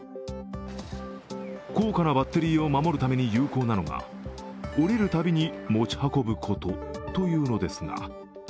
高価なバッテリーを守るために有効なのが、降りるたびに持ち運ぶことというのですが。